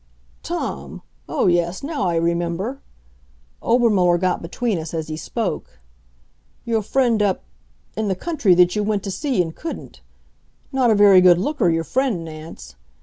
"Tom oh, yes, now I remember." Obermuller got between us as he spoke. "Your friend up in the country that you went to see and couldn't. Not a very good looker, your friend, Nance.